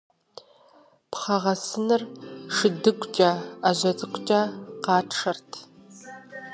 Пхъэгъэсыныр шыдыгукӀэ, Ӏэжьэ цӀыкӀукӀэ къатшэрт.